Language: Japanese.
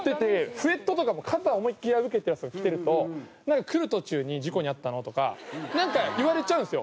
スウェットとかも肩思いっきり破けてるやつとか着てると「来る途中に事故に遭ったの？」とかなんか言われちゃうんですよ。